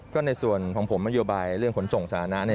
ก็ในส่วนของผมนโยบายเรื่องขนส่งสาธารณะ